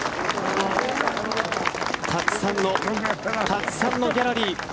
たくさんのたくさんのギャラリー。